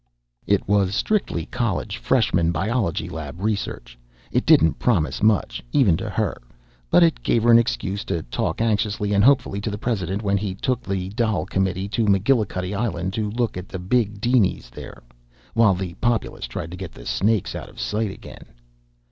It was strictly college freshman biology lab research. It didn't promise much, even to her. But it gave her an excuse to talk anxiously and hopefully to the president when he took the Dail Committee to McGillicuddy Island to look at the big dinies there, while the populace tried to get the snakes out of sight again.